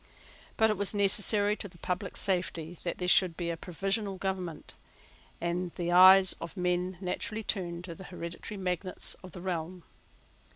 But it was necessary to the public safety that there should be a provisional government; and the eyes of men naturally turned to the hereditary magnates of the realm.